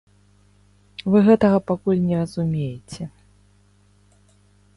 Вы гэтага пакуль не разумееце.